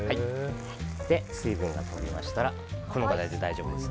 水分が飛びましたらこのままで大丈夫です。